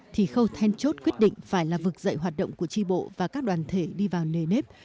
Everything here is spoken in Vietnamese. thì khâu then chốt quyết định phải là vực dậy hoạt động của tri bộ và các đoàn thể đi vào nề nếp